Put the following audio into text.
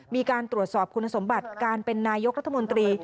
มีการตรวจสอบคุณสมบัติการเป็นนายกรัฐมนตรี